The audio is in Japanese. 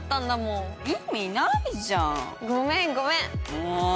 もう。